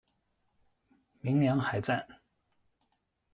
鸣梁海战